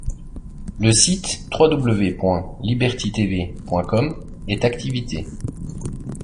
Le site www.libertytv.com est activité..